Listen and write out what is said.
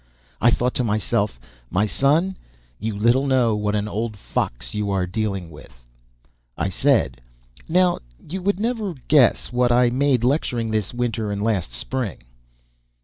I thought to myself, My son, you little know what an old fox you are dealing with. I said: "Now you never would guess what I made lecturing this winter and last spring?"